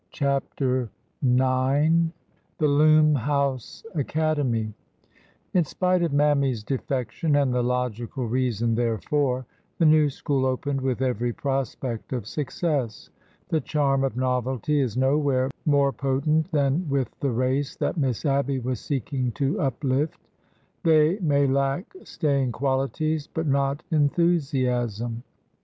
CHAPTER IX THE LOOM HOUSE ACADEMY I N Spite of Mammy's defection and the logical reason therefor, the new school opened with every prospect of success. The charm of novelty is nowhere more potent than with the race that Miss Abby was seeking to uplift. They may lack staying qualities, but not enthusiasm.